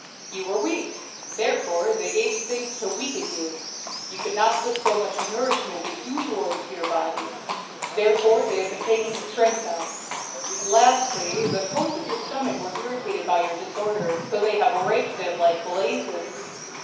"You were weak therefore they gave you things to weaken you. You could not put so much nourishment as usual into your body therefore they have been taking strength out. Lastly, the coats of your stomach were irritated by your disorder so they have raked it like blazes.